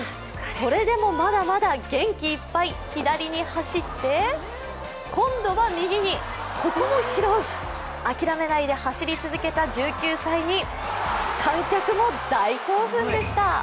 それでもまだまだ元気いっぱい左に走って、今度は右に、ここも拾う、諦めないで走り続けた１９歳に観客も大興奮でした。